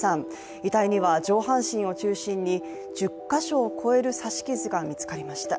遺体には上半身を中心に１０か所を超える刺し傷が見つかりました。